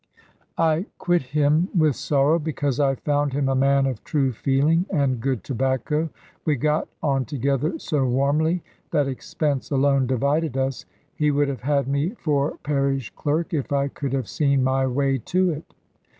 I quit him with sorrow; because I found him a man of true feeling, and good tobacco. We got on together so warmly that expense alone divided us. He would have had me for parish clerk, if I could have seen my way to it.